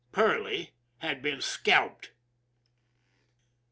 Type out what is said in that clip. Perley had been scalped